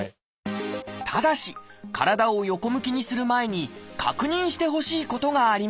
ただし体を横向きにする前に確認してほしいことがあります